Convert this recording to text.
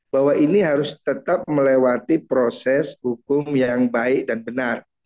bahwa ini harus tetap melewati proses hukum yang baik dan benar